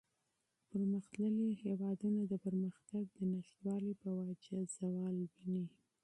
پرمختللي هېوادونه د پرمختگ د نشتوالي په وجه زوال ویني.